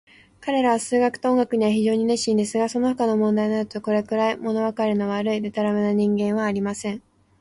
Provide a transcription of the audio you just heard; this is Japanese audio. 彼等は数学と音楽には非常に熱心ですが、そのほかの問題になると、これくらい、ものわかりの悪い、でたらめな人間はありません。